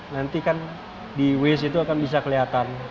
nanti kan di waze itu akan bisa kelihatan